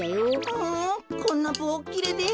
ふんこんなぼうっきれで。